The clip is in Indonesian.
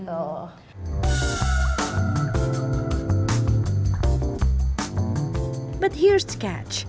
tapi ini yang kita lihat